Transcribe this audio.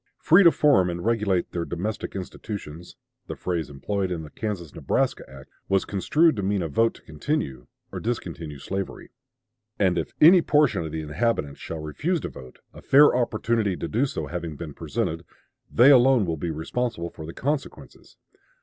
"Free to form and regulate their domestic institutions" the phrase employed in the Kansas Nebraska act was construed to mean a vote to continue or discontinue slavery. And "if any portion of the inhabitants shall refuse to vote, a fair opportunity to do so having been presented, ... they alone will be responsible for the consequences."